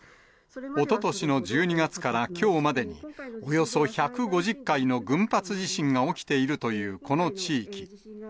おととしの１２月からきょうまでに、およそ１５０回の群発地震が起きているというこの地域。